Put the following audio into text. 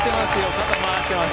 肩回してます。